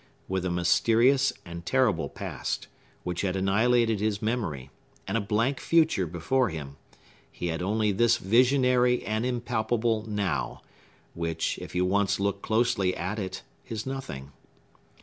With a mysterious and terrible Past, which had annihilated his memory, and a blank Future before him, he had only this visionary and impalpable Now, which, if you once look closely at it, is nothing.